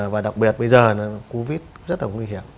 và đặc biệt bây giờ nó covid rất là nguy hiểm